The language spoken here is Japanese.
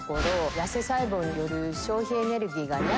痩せ細胞による消費エネルギーが。